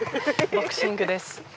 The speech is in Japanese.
ボクシングです。